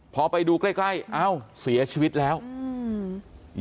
พอไปดูใกล้ใกล้เอ้าเสียชีวิตแล้วอืม